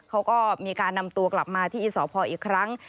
เขาก็มีการนำตัวกลับมาที่อีสพอีกครั้ง